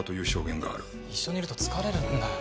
一緒にいると疲れるんだよ。